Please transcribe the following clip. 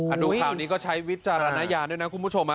ดูข่าวนี้ก็ใช้วิจารณญาณด้วยนะคุณผู้ชม